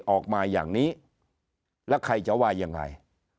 ออกมาอย่างนี้แล้วใครจะว่ายังไง